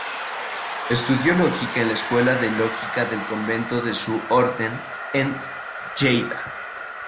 Estudió lógica en la Escuela de Lógica del convento de su orden en Lleida.